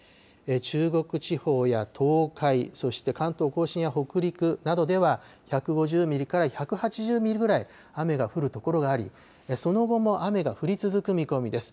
中国地方や東海、そして関東甲信や北陸などでは、１５０ミリから１８０ミリぐらい雨が降る所があり、その後も、雨が降り続く見込みです。